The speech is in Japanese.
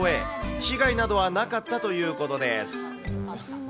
被害などはなかったということです。